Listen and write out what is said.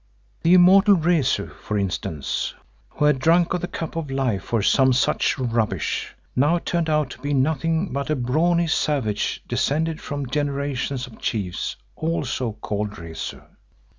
The immortal Rezu, for instance, who had drunk of the Cup of Life or some such rubbish, now turned out to be nothing but a brawny savage descended from generations of chiefs also called Rezu.